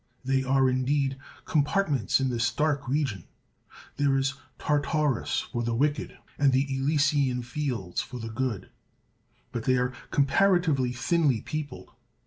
There are, indeed, compartments in this dark region: there is Tartarus for the wicked, and the Elysian fields for the good, but they are comparatively thinly peopled.